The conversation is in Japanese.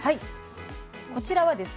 こちらはですね